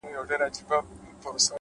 پوهه د ذهن پټې لارې روښانوي؛